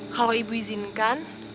kalau ibu izinkan